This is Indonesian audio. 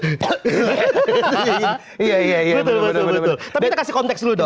betul betul tapi kita kasih konteks dulu dong